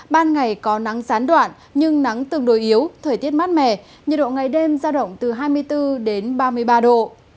ban ngày có nắng gián đoạn nhưng nắng tương đối yếu thời tiết mát mẻ nhiệt độ ngày đêm ra động từ hai mươi bốn đến ba mươi ba độ